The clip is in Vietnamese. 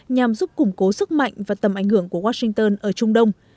nhằm giúp củng cố sức mạnh và tầm ảnh hưởng của washington ở trung đông